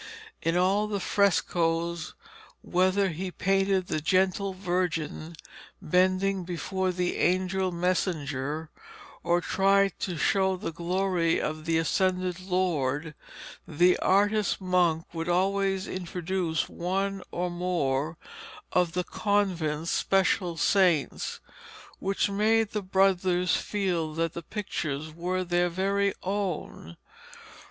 In all the frescoes, whether he painted the gentle Virgin bending before the angel messenger, or tried to show the glory of the ascended Lord, the artist monk would always introduce one or more of the convent's special saints, which made the brothers feel that the pictures were their very own.